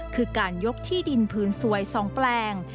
คือการยกที่ดินผืนสวย๒แปลง